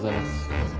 どうぞ。